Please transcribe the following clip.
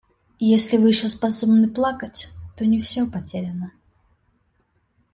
Если Вы еще способны плакать, то не все потеряно.